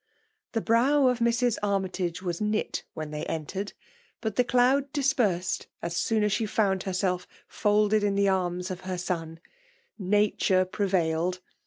The brow of Mrs. Armytage was knit when ilMy entered; but the cloud dispersed as soon as she found herself folded in the arms of her ipn: nature prevailed!